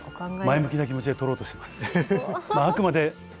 前向きな気持ちで取ろうとしてます。